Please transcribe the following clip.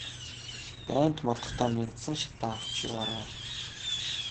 Дайнд мордохдоо мяндсан шатаа авч яваарай.